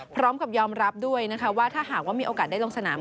พร้อมกับยอมรับด้วยนะคะว่าถ้าหากว่ามีโอกาสได้ลงสนาม